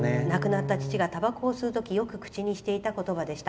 亡くなった父がたばこを吸うときよく口にしていた言葉でした。